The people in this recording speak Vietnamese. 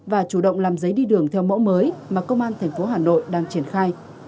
và chủ động làm giấy đi đường theo mẫu mới mà công an thành phố hà nội đang triển khai